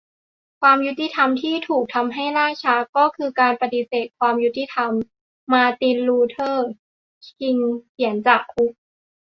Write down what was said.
"ความยุติธรรมที่ถูกทำให้ล่าช้า ก็คือการปฏิเสธความยุติธรรม" - มาร์ติน ลูเธอร์ คิง เขียนจากคุก